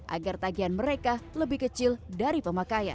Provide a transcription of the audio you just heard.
agar tagihan mereka lebih kecil dari pemakaian